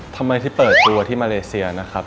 ทำไมที่เปิดตัวที่มาเลเซียนะครับ